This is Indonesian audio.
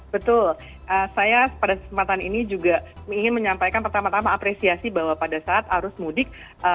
betul saya pada kesempatan ini juga ingin menyampaikan pertama tama apresiasi bahwa pada saat arus mudik